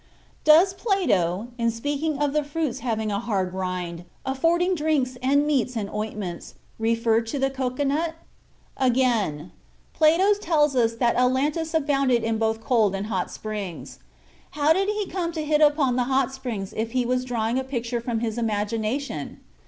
Does Plato, in speaking of "the fruits having a hard rind, affording drinks and meats and ointments," refer to the cocoa nut? Again: Plato tells us that Atlantis abounded in both cold and hot springs. How did he come to hit upon the hot springs if he was drawing a picture from his imagination?